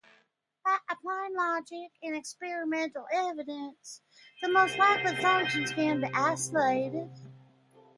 By applying logic and experimental evidence, the most likely functions can be isolated.